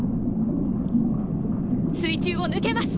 水中を抜けます！